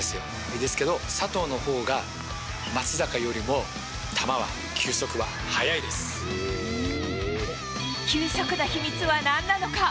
ですけど、佐藤のほうが松坂よりも球は、球速の秘密は何なのか。